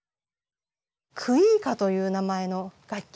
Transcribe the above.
クイーカという名前の楽器です。